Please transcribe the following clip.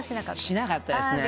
しなかったですね。